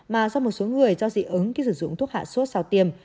mà do một số người do dị ứng khi sử dụng thuốc hạ sốt sau tiêm